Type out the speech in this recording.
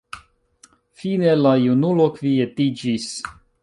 Fine la junulo kvietiĝis.